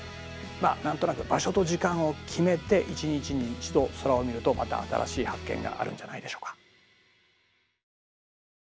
まあ何となく場所と時間を決めて一日に一度空を見るとまた新しい発見があるんじゃないでしょうか。